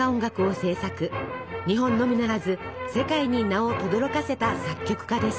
日本のみならず世界に名をとどろかせた作曲家です。